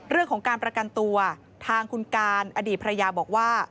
เรื่องของการประกันตัวทางคุณการอดีตภรรยาบอกว่า